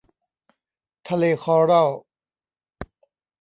ทะเลคอรัล